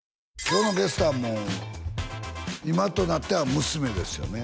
今日のゲストはもう今となっては娘ですよね